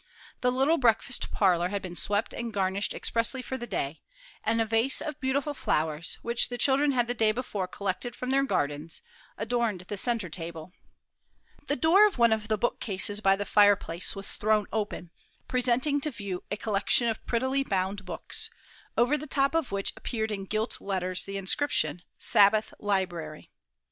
The little breakfast parlor had been swept and garnished expressly for the day, and a vase of beautiful flowers, which the children had the day before collected from their gardens, adorned the centre table. The door of one of the bookcases by the fireplace was thrown open, presenting to view a collection of prettily bound books, over the top of which appeared in gilt letters the inscription, "Sabbath Library."